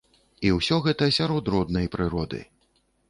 І ўсё гэта сярод роднай прыроды.